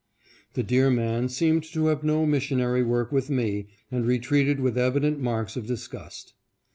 The dear man seemed to have no missionary work with me, and re treated with evident marks of disgust.